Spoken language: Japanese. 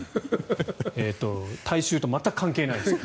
体臭と全く関係ないです。